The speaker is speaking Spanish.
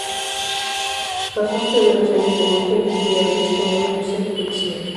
Pasó sus primeros años de adulto en Virginia Beach, como un oficial de policía.